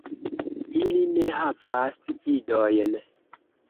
Ili ne havis idojn.